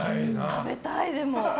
食べたい、でも！